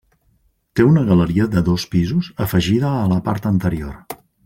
Té una galeria de dos pisos afegida a la part anterior.